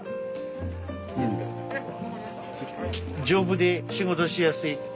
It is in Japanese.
丈夫で仕事しやすい。